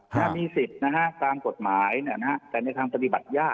ถ้ามีสิทธิ์ตามกฎหมายแต่ในความตฤษฐายาก